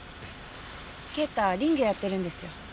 敬太林業やってるんですよ。